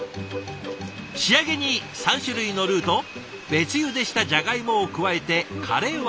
仕上げに３種類のルーと別ゆでしたジャガイモを加えてカレーは完成。